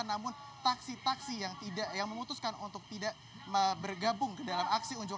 namun taksi taksi yang memutuskan untuk tidak bergabung dalam aksi unjuk